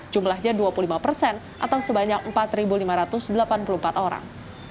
jumlahnya dua puluh lima persen atau sebanyak empat lima ratus delapan puluh empat orang